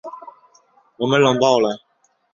我们冷爆了